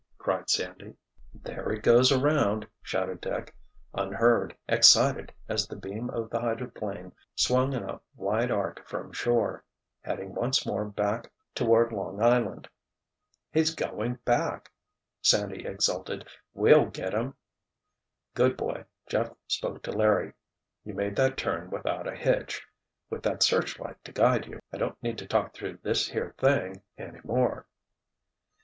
cried Sandy. "There it goes around!" shouted Dick, unheard, excited, as the beam of the hydroplane swung in a wide arc from shore, heading once more back toward Long Island. "He's going back!" Sandy exulted. "We'll get him!" "Good boy," Jeff spoke to Larry. "You made that turn without a hitch. With that searchlight to guide you, I don't need to talk through this here thing any more."